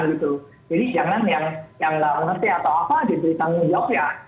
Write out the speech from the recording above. diberi tanggung jawab ya